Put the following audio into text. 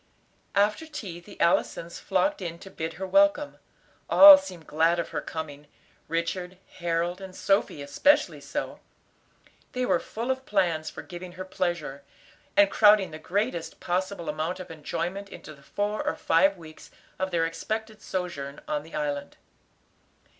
After tea the Allisons flocked in to bid her welcome. All seemed glad of her coming, Richard, Harold, and Sophy especially so. They were full of plans for giving her pleasure, and crowding the greatest possible amount of enjoyment into the four or five weeks of their expected sojourn on the island.